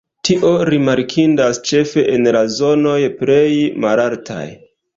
Tio rimarkindas ĉefe en la zonoj plej malaltaj.